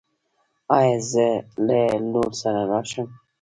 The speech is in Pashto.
ایا زه له لور سره راشم؟